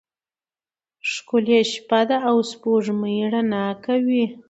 ښکلی شپه ده او سپوږمۍ رڼا کوي.